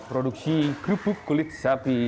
produksi kerupuk kulit sapi